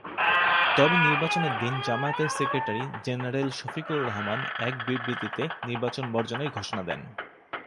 তবে নির্বাচনের দিন জামায়াতের সেক্রেটারি জেনারেল শফিকুর রহমান এক বিবৃতিতে নির্বাচন বর্জনের ঘোষণা দেন।